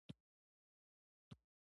ویده وجود سا باسي